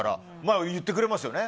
言ってくれますよね。